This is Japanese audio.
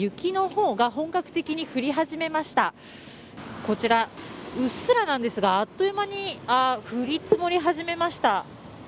こちら、うっすらなんですがあっという間に降り積もり始めました。